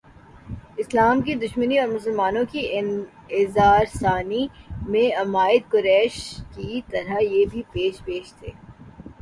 اسلام کی دشمنی اورمسلمانوں کی ایذارسانی میں عمائد قریش کی طرح یہ بھی پیش پیش تھے